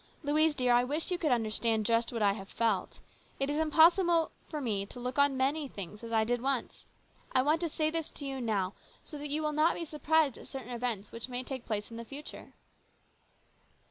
Louise, dear, I wish you could understand just what I have felt. It is impossible for me to look on very many things as I did once. I want to say this to you now, so that you 9 180 HIS BROTHER'S KEEPER. will not be surprised at certain events which may take place in the future."